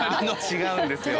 違うんですよ。